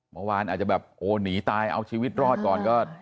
เมื่อวานอาจจะแบบโอ้หนีตายเอาชีวิตรอดก่อนก็